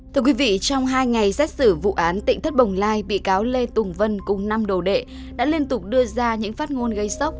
thưa quý vị trong hai ngày xét xử vụ án tỉnh thất bồng lai bị cáo lê tùng vân cùng năm đầu đệ đã liên tục đưa ra những phát ngôn gây sốc